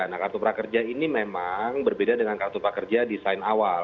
nah kartu prakerja ini memang berbeda dengan kartu prakerja desain awal